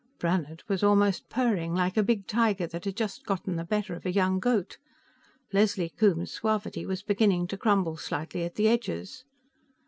Brannhard was almost purring, like a big tiger that had just gotten the better of a young goat; Leslie Coombes's suavity was beginning to crumble slightly at the edges.